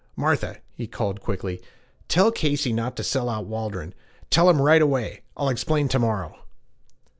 'Martha,' he called quickly, 'tell Casey not to sell out Waldron tell him right away. I'll explain to morrow.'